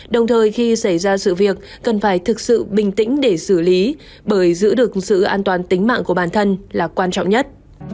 đồng thời khi xảy ra sự việc cần phải thực sự bình tĩnh để xử lý bởi giữ được sự an toàn tính mạng của bản thân là quan trọng nhất